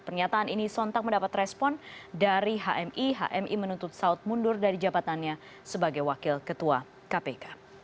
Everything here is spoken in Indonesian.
pernyataan ini sontak mendapat respon dari hmi hmi menuntut saud mundur dari jabatannya sebagai wakil ketua kpk